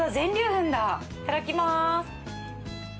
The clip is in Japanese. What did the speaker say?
いただきます。